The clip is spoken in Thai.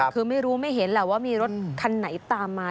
คือไม่รู้ไม่เห็นแหละว่ามีรถคันไหนตามมา